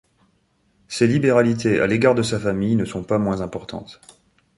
Ses libéralités à l'égard de sa famille ne sont pas moins importantes.